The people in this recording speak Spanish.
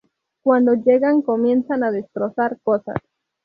Cuando llegan, comienzan a destrozar cosas.